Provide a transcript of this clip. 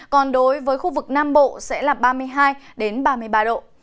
còn đối với khu vực nam bộ sẽ là ba mươi hai ba mươi ba độ